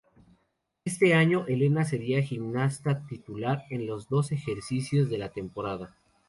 Este año Elena sería gimnasta titular en los dos ejercicios de la temporada.